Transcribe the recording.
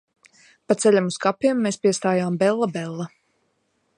Pa ceļam uz kapiem mēs piestājām "Bella Bella".